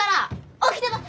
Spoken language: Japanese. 起きてます！